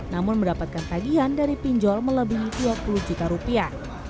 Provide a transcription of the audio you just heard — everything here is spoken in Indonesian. namun mendapatkan tagihan dari pinjol melebihi dua puluh juta rupiah